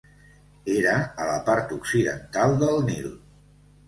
Era a la part occidental del Nil.